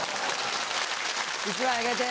１枚あげて。